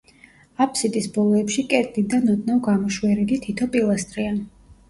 აფსიდის ბოლოებში კედლიდან ოდნავ გამოშვერილი თითო პილასტრია.